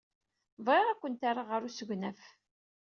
Bɣiɣ ad kent-rreɣ ɣer usegnaf.